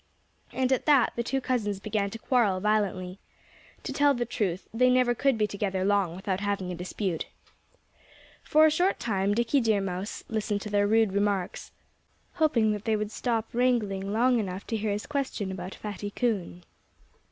And at that the two cousins began to quarrel violently. To tell the truth, they never could be together long without having a dispute. For a short time Dickie Deer Mouse listened to their rude remarks, hoping that they would stop wrangling long enough to hear his question about Fatty Coon.